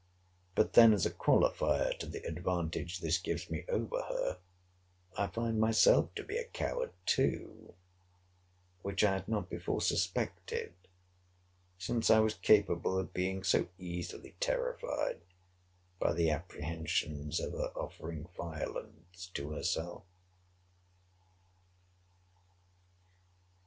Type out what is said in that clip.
But then, as a qualifier to the advantage this gives me over her, I find myself to be a coward too, which I had not before suspected, since I was capable of being so easily terrified by the apprehensions of her offering violence to herself.